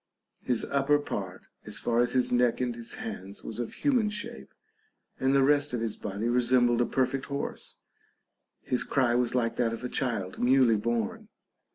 His upper part, as far as his neck and his hands, was of human shape, and the rest of his body resembled a perfect horse ; his cry was like that of a child newly born.